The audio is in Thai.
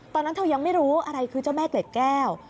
ตอนนั้นเธอยังไม่รู้อะไรคือเจ้าแม่เกล็ดแก้ว